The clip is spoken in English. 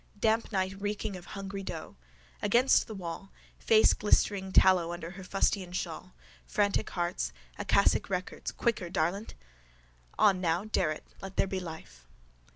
Damp night reeking of hungry dough. Against the wall. Face glistering tallow under her fustian shawl. Frantic hearts. Akasic records. Quicker, darlint! On now. Dare it. Let there be life.